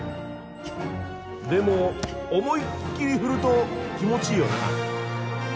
でも思いっきり振ると気持ちいいよな！